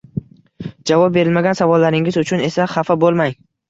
Javob berilmagan savollaringiz uchun esa hafa bo’lmang